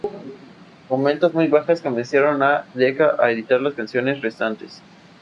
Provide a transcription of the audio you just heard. Con ventas muy bajas convencieron a Decca a editar las canciones restantes.